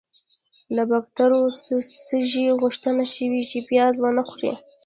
له باکلتوره سړي غوښتنه شوې چې پیاز ونه خوري.